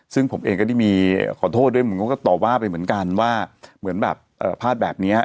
ซึ่งผมเองดีมีขอโทษด้วยผมก็ตอบว่าไปเหมือนกันว่ามีภาพแบบนี้